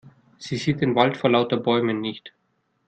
Sie sieht den Wald vor lauter Bäumen nicht.